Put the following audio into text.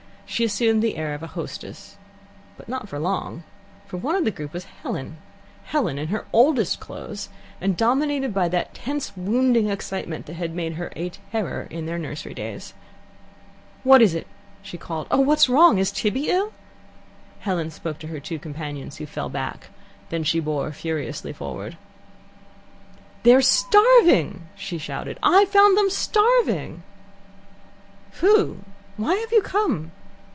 She assumed the airs of a hostess; not for long. For one of the group was Helen Helen in her oldest clothes, and dominated by that tense, wounding excitement that had made her a terror in their nursery days. "What is it?" she called. "Oh, what's wrong? Is Tibby ill?" Helen spoke to her two companions, who fell back. Then she bore forward furiously. "They're starving!" she shouted. "I found them starving!" "Who? Why have you come?"